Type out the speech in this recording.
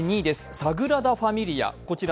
サグラダ・ファミリア、こらら